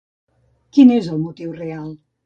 Quin és el motiu real?